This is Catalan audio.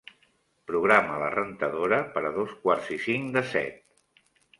Programa la rentadora per a dos quarts i cinc de set.